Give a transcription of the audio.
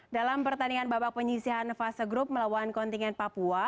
dalam pertandingan babak penyisihan fase grup melawan kontingen papua